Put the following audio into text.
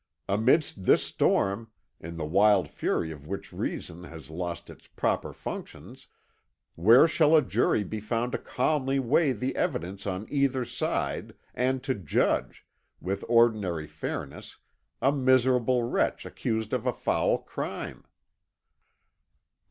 Amidst this storm, in the wild fury of which reason has lost its proper functions, where shall a jury be found to calmly weigh the evidence on either side, and to judge, with ordinary fairness, a miserable wretch accused of a foul crime?"